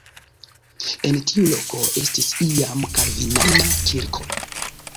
En tiu loko estis iam kalvinana kirko.